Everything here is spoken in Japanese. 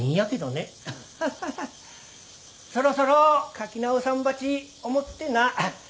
そろそろ書き直さんばち思ってな。